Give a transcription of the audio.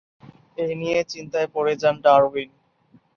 এ নিয়ে চিন্তায় পড়ে যান ডারউইন।